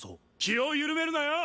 気を緩めるなよ！